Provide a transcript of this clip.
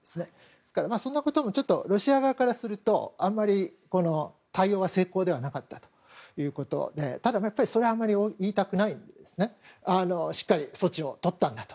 ですから、そんなこともロシア側からするとあまり対応は成功ではなかったということでただやっぱり、それはあまり言いたくないのでしっかり措置をとったんだと。